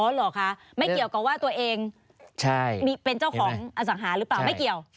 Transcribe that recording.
เหรอคะไม่เกี่ยวกับว่าตัวเองเป็นเจ้าของอสังหาหรือเปล่าไม่เกี่ยว